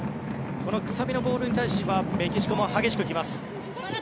このくさびのボールに対してはメキシコも激しく来ます。